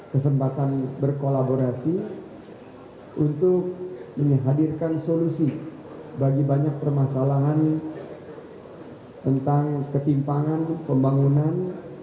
kesempatan berkolaborasi untuk menghadirkan solusi bagi banyak permasalahan tentang ketimpangan pembangunan